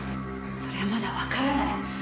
それはまだわからない。